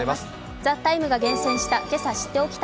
「ＴＨＥＴＩＭＥ，」が厳選した